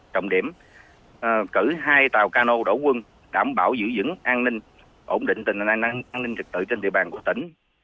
trọng điểm cử hai tàu cano đổ quân đảm bảo giữ dững an ninh ổn định tình hình an ninh trật tự trên địa bàn của tỉnh